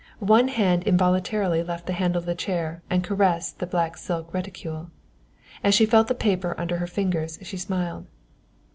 One hand involuntarily left the handle of the chair and caressed the black silk reticule. As she felt the paper under her fingers she smiled.